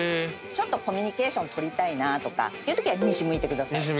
コミュニケーションを取りたいなとかいうときは西向いてください。